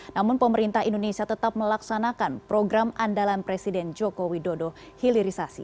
namun pemerintah indonesia tetap melaksanakan program andalan presiden joko widodo hilirisasi